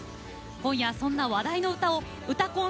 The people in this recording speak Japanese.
今夜、そんな話題の歌を「うたコン」